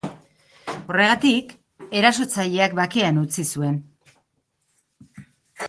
Horregatik, erasotzaileak bakean utzi zuen.